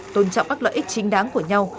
tôn trọng các lợi ích chính đáng của nhau